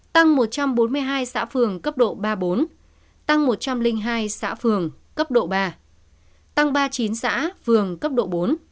tăng một trăm bốn mươi hai xã phường cấp độ ba bốn tăng một trăm linh hai xã phường cấp độ ba tăng ba mươi chín xã phường cấp độ bốn